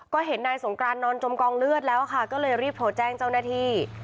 ก็เห็นนายสงกรานนอนจมกองเลือดแล้วค่ะก็เลยรีบโทรแจ้งเจ้าหน้าที่